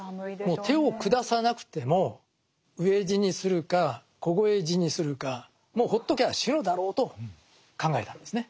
もう手を下さなくても飢え死にするか凍え死にするかもうほっときゃ死ぬだろうと考えたんですね。